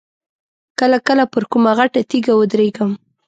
کله کله پر کومه غټه تیږه ودرېږم.